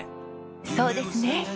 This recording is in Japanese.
そうですね。